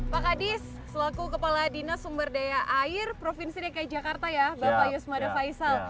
pak hadis selaku kepala dinasumber daya air provinsi dki jakarta ya bapak yusma davaiza